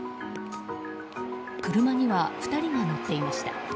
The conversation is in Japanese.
車には２人が乗っていました。